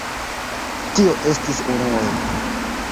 Tio estis unue.